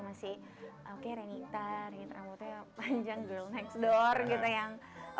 masih oke renita renita rambutnya panjang girl next door gitu